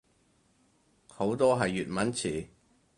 好多係粵文詞